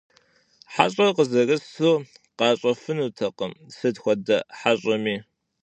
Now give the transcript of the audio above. Heş'er khızerısu khaş'efınutekhım sıt xuede heş'emi.